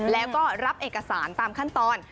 แล้วก็รับเอกสารตามขั้นตอน